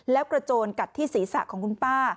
แล้วกระโจนกัดที่ศีรษะของคุณป้า